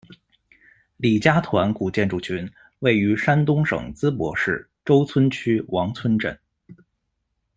李家疃古建筑群，位于山东省淄博市周村区王村镇。